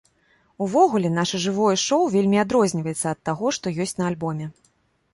Увогуле, наша жывое шоў вельмі адрозніваецца ад таго, што ёсць на альбоме.